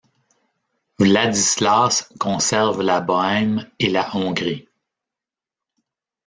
Vladislas conserve la Bohême et la Hongrie.